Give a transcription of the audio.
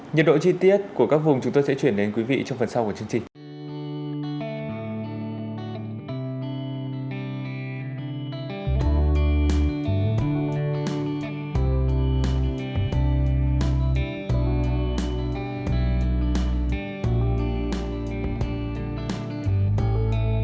nhiệt độ chi tiết của các vùng chúng tôi sẽ chuyển đến quý vị trong phần sau của chương trình